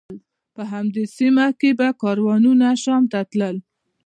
په همدې سیمه به کاروانونه شام ته تلل.